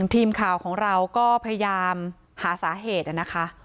ทีมข่าวของเราก็พยายามหาสาเหตุนะคะ